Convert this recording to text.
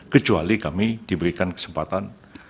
kecuali kami diberikan kesempatan